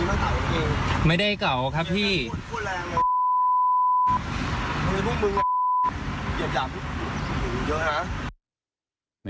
ทำไมพวกมึง